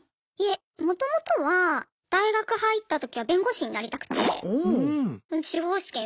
いえもともとは大学入った時は弁護士になりたくて。